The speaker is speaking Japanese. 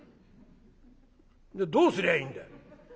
「じゃどうすりゃいいんだい？」。